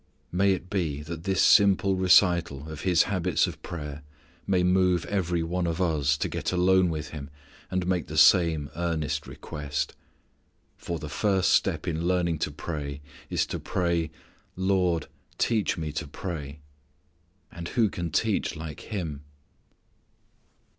May it be that this simple recital of His habits of prayer may move every one of us to get alone with Him and make the same earnest request. For the first step in learning to pray is to pray, "Lord, teach me to pray." And who can teach like Him?